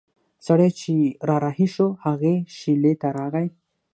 سړی چې را رهي شو هغې شېلې ته راغی.